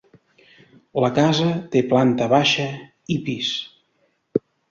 La casa, té planta baixa i pis.